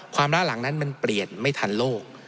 ล่าหลังนั้นมันเปลี่ยนไม่ทันโลก